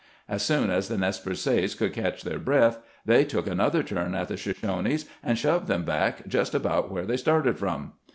As soon as the Nez Perces could catch their breath they took an other turn at the Shoshonees, and shoved them back just about where they started from.